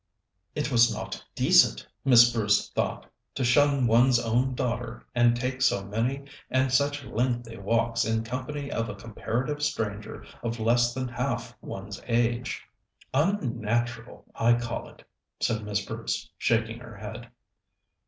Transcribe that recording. It was not decent, Miss Bruce thought, to shun one's own daughter and take so many and such lengthy walks in company of a comparative stranger of less than half one's own age. "Un natural, I call it," said Miss Bruce, shaking her head.